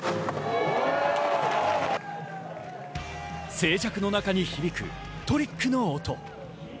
静寂の中に響くトリックの音。